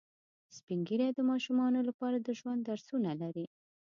سپین ږیری د ماشومانو لپاره د ژوند درسونه لري